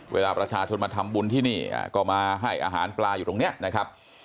เวลาประชาชนมาทำบุญที่นี่ก็มาให้อาหารปลาอยู่ตรงนี้นะครับ